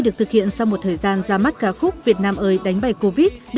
được thực hiện sau một thời gian ra mắt ca khúc việt nam ơi đánh bày covid